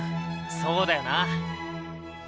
そうだよな！